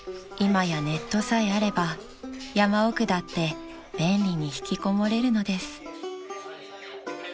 今やネットさえあれば山奥だって便利に引きこもれるのです］